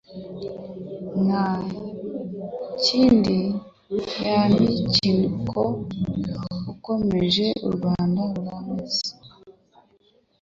Nka Nkindi ya Mikiko Ukomeje u Rwanda rurameze.